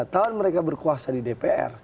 lima tahun mereka berkuasa di dpr